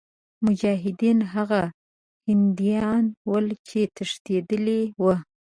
مجاهدین هغه هندیان ول چې تښتېدلي وه.